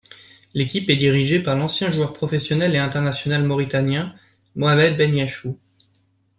L'équipe est dirigée par l'ancien joueur professionnel et international mauritanien Mohamed Benyachou.